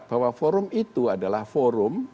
bahwa forum itu adalah forum